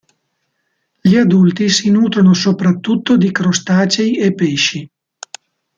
Gli adulti si nutrono soprattutto di crostacei e pesci.